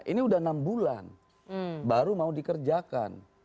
ini udah enam bulan baru mau dikerjakan